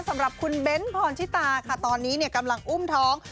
สำหรับคุณเบ้นพรชิตาค่ะตอนนี้เนี่ยกำลังอุ้มท้อง